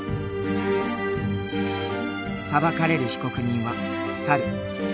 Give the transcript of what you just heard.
裁かれる被告人は猿。